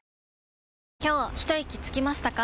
今日ひといきつきましたか？